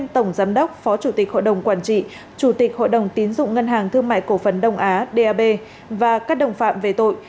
tổng giám đốc phó chủ tịch hội đồng quản trị chủ tịch hội đồng tiến dụng ngân hàng thương mại cổ phần đông á dap và các đồng phạm về tội